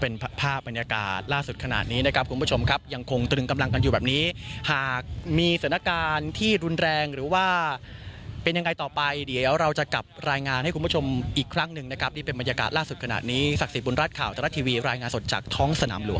เป็นภาพบรรยากาศล่าสุดขนาดนี้นะครับคุณผู้ชมครับยังคงตรึงกำลังกันอยู่แบบนี้หากมีสถานการณ์ที่รุนแรงหรือว่าเป็นยังไงต่อไปเดี๋ยวเราจะกลับรายงานให้คุณผู้ชมอีกครั้งหนึ่งนะครับนี่เป็นบรรยากาศล่าสุดขนาดนี้ศักดิ์สิทธิบุญรัฐข่าวทรัฐทีวีรายงานสดจากท้องสนามหลวง